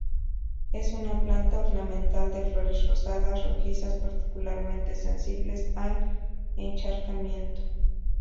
Es una planta ornamental de flores rosadas rojizas, particularmente sensibles al encharcamiento.